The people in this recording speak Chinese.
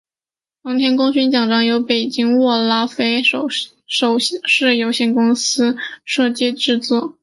航天功勋奖章由北京握拉菲首饰有限公司设计制作。